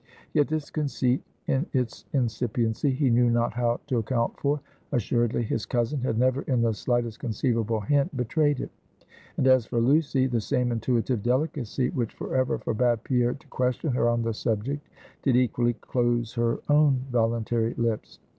Yet this conceit in its incipiency, he knew not how to account for. Assuredly his cousin had never in the slightest conceivable hint betrayed it; and as for Lucy, the same intuitive delicacy which forever forbade Pierre to question her on the subject, did equally close her own voluntary lips.